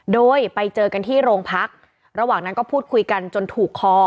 โดยไปเจอกันที่โรงพักระหว่างนั้นก็พูดคุยกันจนถูกคอ